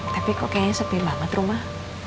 tapi kok kayaknya sepi banget rumah